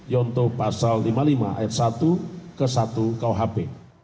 yonto pasal lima puluh lima ayat satu ke satu kuhp